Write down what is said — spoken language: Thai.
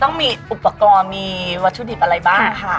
ต้องมีอุปกรณ์มีวัตถุดิบอะไรบ้างค่ะ